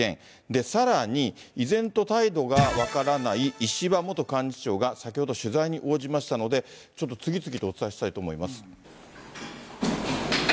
さらに、依然と態度が分からない石破元幹事長が先ほど、取材に応じましたので、ちょっと次々とお伝えしたいと思います。